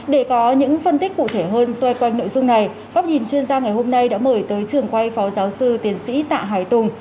để có những phân tích cụ thể hơn xoay quanh nội dung này góc nhìn chuyên gia ngày hôm nay đã mời tới trường quay phó giáo sư tiến sĩ tạ hải tùng